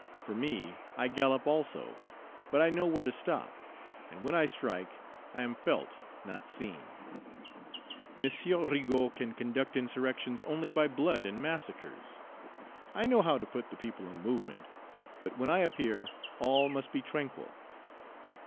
For me, I gallop also; but I know where to stop; and when I strike, I am felt, not seen. M. Rigaud can conduct insurrections only by blood and massacres; I know how to put the people in movement; but when I appear, all must be tranquil."